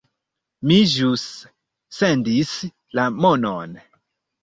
Mi ĵus sendis la monon